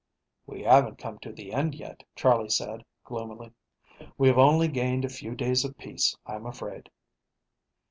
"We haven't come to the end yet," Charley said, gloomily. "We have only gained a few days of peace, I'm afraid."